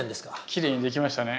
きれいにできましたね。